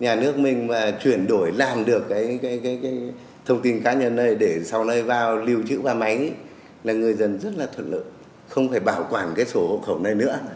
nhà nước mình mà chuyển đổi làm được cái thông tin cá nhân này để sau này vào lưu trữ qua máy là người dân rất là thuận lợi không phải bảo quản cái sổ hộ khẩu này nữa